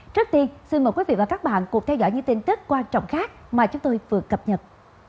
trước tiên xin mời quý vị và các bạn cùng theo dõi những tin tức quan trọng khác mà chúng tôi vừa cập nhật